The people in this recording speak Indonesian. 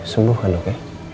sembuh kan oke